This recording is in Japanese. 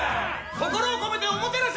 心を込めておもてなし！